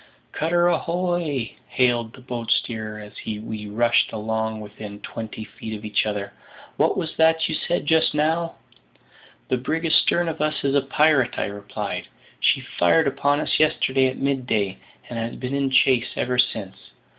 "Cutter ahoy!" hailed the boat steerer as we rushed along within twenty feet of each other; "what was that you said just now?" "The brig astern of us is a pirate," I replied; "she fired upon us yesterday at mid day, and has been in chase ever since.